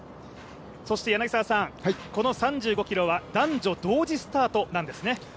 そしてこの３５ｋｍは男女同時スタートなんですね。